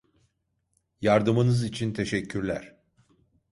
Yardımınız için teşekkürler.